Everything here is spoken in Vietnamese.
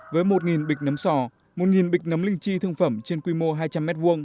với một bịch nấm sò một bịch nấm linh chi thương phẩm trên quy mô hai trăm linh m hai